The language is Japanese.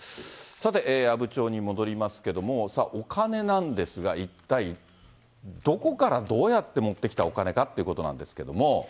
さて、阿武町に戻りますけれども、さあ、お金なんですが、一体どこからどうやって持ってきたお金かということなんですけれども。